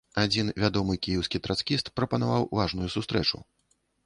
Адзін вядомы кіеўскі трацкіст прапанаваў важную сустрэчу.